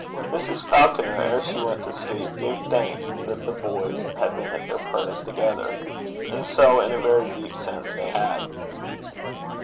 Mrs. Falconer, ere she went to sleep, gave thanks that the boys had been at their prayers together. And so, in a very deep sense, they had.